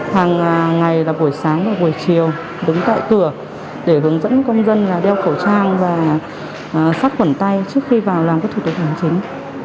hàng ngày là buổi sáng và buổi chiều đứng tại cửa để hướng dẫn công dân đeo khẩu trang và sát khuẩn tay trước khi vào làm các thủ tục hành chính